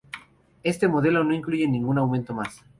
Este modelo no incluye ningún aumento más.